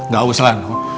gak usah lalu